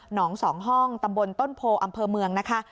สองห้องตำบลต้นโพอำเภอเมืองนะคะ